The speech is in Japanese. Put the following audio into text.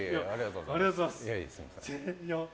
ありがとうございます。